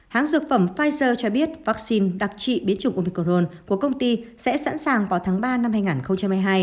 hãng dược phẩm pfizer cho biết vaccine đặc trị biến chủng omicron của công ty sẽ sẵn sàng vào tháng ba năm hai nghìn hai mươi hai